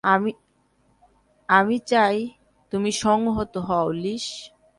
আমি চাই তুমি সংহত হও, লিস।